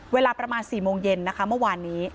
เวลาประมาณ๔โมงเย็นนะคะเมื่อวานนี้